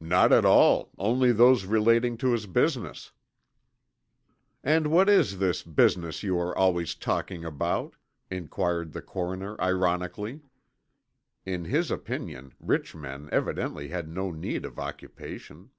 "Not at all, only those relating to his business." "And what is this business you are always talking about?" inquired the coroner ironically. In his opinion rich men evidently had no need of occupation.